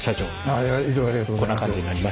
ありがとうございます。